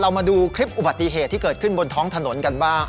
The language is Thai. มาดูคลิปอุบัติเหตุที่เกิดขึ้นบนท้องถนนกันบ้าง